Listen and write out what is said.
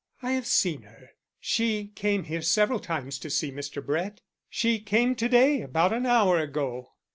"I have seen her. She came here several times to see Mr. Brett. She came to day about an hour ago."